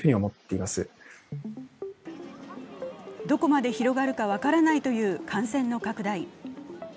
どこまで広がるか分からないという感染の拡大。